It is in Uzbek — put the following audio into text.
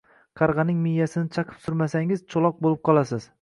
Qarg‘aning miyasini chaqib surmasangiz, cho‘loq bo‘lib qolasiz.